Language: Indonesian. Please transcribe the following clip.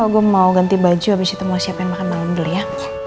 gua mau ganti baju abis itu mau siapin makan malam dulu ya